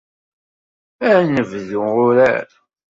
Ad nebdu urar.